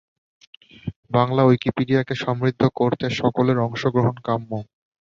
বাংলা উইকপিডিয়াকে সমৃদ্ধ করতে সকলের অংশগ্রহণ কাম্য।